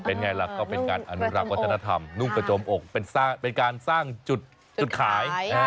เป็นไงล่ะก็เป็นการอนุรักษ์วัฒนธรรมนุ่งกระโจมอกเป็นการสร้างจุดขาย